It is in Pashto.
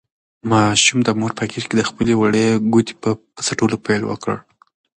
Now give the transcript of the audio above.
ماشوم د مور په غېږ کې د خپلې وړې ګوتې په څټلو پیل وکړ.